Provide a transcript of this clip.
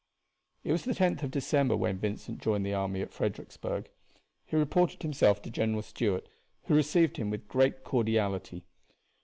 It was the 10th of December when Vincent joined the army at Fredericksburg. He reported himself to General Stuart, who received him with great cordiality.